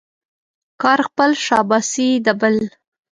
کار خپل ، شاباسي د بل.